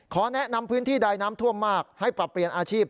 แนะนำพื้นที่ใดน้ำท่วมมากให้ปรับเปลี่ยนอาชีพ